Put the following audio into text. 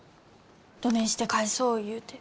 どねんして返そう言うて。